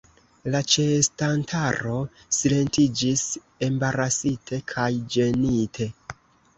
La ĉeestantaro silentiĝis, embarasite kaj ĝenite.